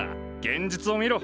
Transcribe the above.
現実を見ろ。